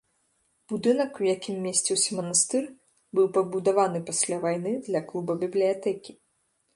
Будынак, у якім месціўся манастыр, быў пабудаваны пасля вайны для клуба-бібліятэкі.